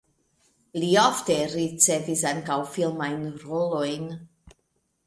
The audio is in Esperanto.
Li ofte ricevis ankaŭ filmajn rolojn.